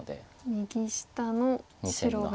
右下の白が。